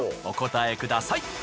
お答えください。